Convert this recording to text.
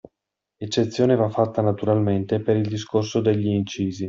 Eccezione va fatta naturalmente per il discorso degli incisi.